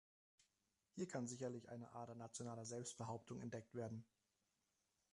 Hier kann sicherlich eine Ader nationaler Selbstbehauptung entdeckt werden.